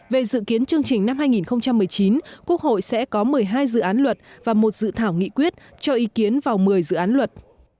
về dự kiến chương trình năm hai nghìn một mươi chín quốc hội sẽ có một mươi hai dự án luật và một dự thảo nghị quyết cho ý kiến vào một mươi dự án luật